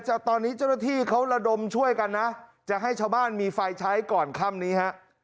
ตอนนี้เจ้าหน้าที่เขาระดมช่วยกันนะจะให้ชาวบ้านมีไฟใช้ก่อนค่ำนี้ฮะ